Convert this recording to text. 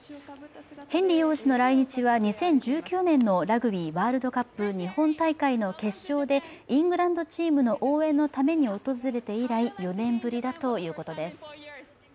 ヘンリー王子の来日は２０１９年のラグビーワールドカップ日本大会の決勝でイングランドチームの応援のために訪れて以来４年ぶりだということです。